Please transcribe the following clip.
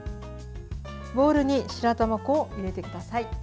ボウルに白玉粉を入れてください。